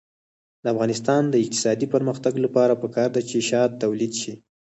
د افغانستان د اقتصادي پرمختګ لپاره پکار ده چې شات تولید شي.